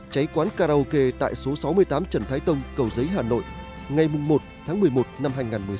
cháy quán karaoke tại số sáu mươi tám trần thái tông cầu giấy hà nội ngày một tháng một mươi một năm hai nghìn một mươi sáu